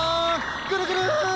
ぐるぐる！